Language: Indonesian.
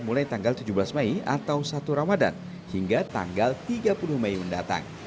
mulai tanggal tujuh belas mei atau satu ramadan hingga tanggal tiga puluh mei mendatang